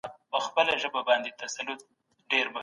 صنعتي کاروبار څنګه د کارګرو مهارتونه لوړوي؟